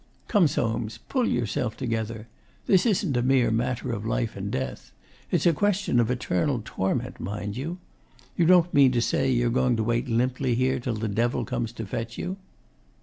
'Come, Soames! pull yourself together! This isn't a mere matter of life and death. It's a question of eternal torment, mind you! You don't mean to say you're going to wait limply here till the Devil comes to fetch you?